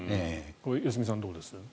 良純さん、どうです？